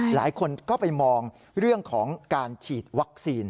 หลายคนก็ไปมองเรื่องของการฉีดวัคซีน